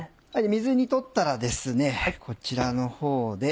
水にとったらこちらのほうで。